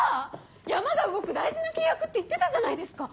山が動く大事な契約って言ってたじゃないですか！